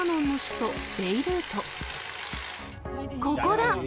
ここだ。